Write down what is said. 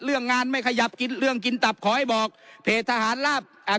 เรื่องงานไม่ขยับกินเรื่องกินตับขอให้บอกเพจทหารราบอ่า